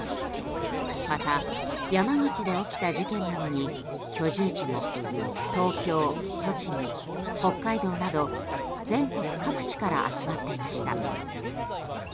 また山口で起きた事件なのに居住地も東京、栃木、北海道など全国各地から集まっていました。